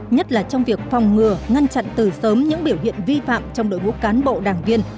nhất là trong việc phòng ngừa ngăn chặn từ sớm những biểu hiện vi phạm trong đội ngũ cán bộ đảng viên